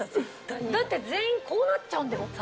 だって全員こうなっちゃうんだもん。